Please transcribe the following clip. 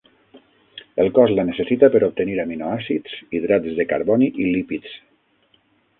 El cos la necessita per obtenir aminoàcids, hidrats de carboni i lípids.